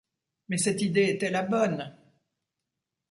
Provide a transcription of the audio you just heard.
Mais cette idée était la bonne!